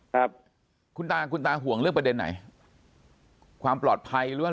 ครับคุณตาคุณตาห่วงเรื่องประเด็นไหนความปลอดภัยหรือว่า